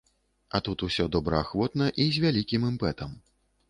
А тут усё добраахвотна і з вялікім імпэтам.